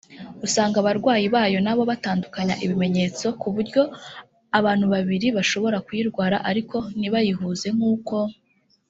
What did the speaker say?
usanga abarwayi bayo nabo batandukanya ibimenyetso ku buryo abantu babiri bashobora kuyirwara ariko ntibayihuze nkuko……